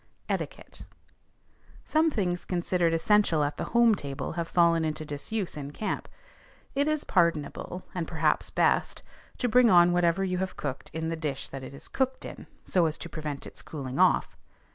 ETIQUETTE. Some things considered essential at the home table have fallen into disuse in camp. It is pardonable, and perhaps best, to bring on whatever you have cooked in the dish that it is cooked in, so as to prevent its cooling off.